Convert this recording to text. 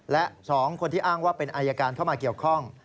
และ๒คนที่อ้างว่าเป็นอายการเข้ามาเกี่ยวข้อง